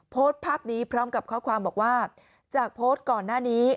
โพสต์ภาพนี้พร้อมกับข้อความบอกว่าจากโพสต์ก่อนหน้านี้